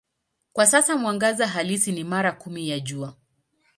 Kwa sasa mwangaza halisi ni mara kumi ya Jua.